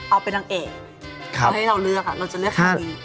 เอาไปดังเอกเอาให้เราเลือกค่ะเราจะเลือกใครดี